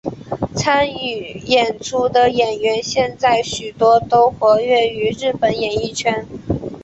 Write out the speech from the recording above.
参与演出的演员现在许多都活跃于日本演艺圈。